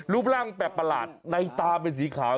รูปร่างแปลกประหลาดในตาเป็นสีขาว